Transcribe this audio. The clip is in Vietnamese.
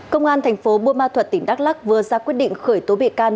công an thành phố burma thuật tỉnh đắk lắc vừa ra quyết định khởi tố bị can